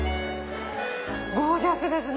ゴージャスですね！